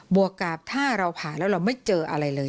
วกกับถ้าเราผ่าแล้วเราไม่เจออะไรเลย